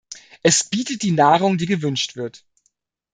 Es bietet die Nahrung, die gewünscht wird.